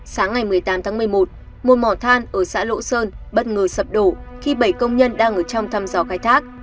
sáng ngày một mươi tám tháng một mươi một một mỏ than ở xã lộ sơn bất ngờ sập đổ khi bảy công nhân đang ở trong thăm dò khai thác